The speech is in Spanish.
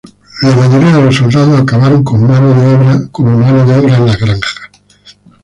La mayoría de los soldados acabaron como mano de obra en las granjas.